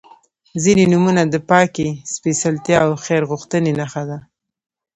• ځینې نومونه د پاکۍ، سپېڅلتیا او خیر غوښتنې نښه ده.